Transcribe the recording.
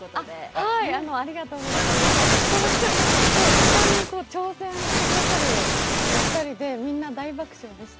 果敢挑戦してくださるお二人でみんな大爆笑でした。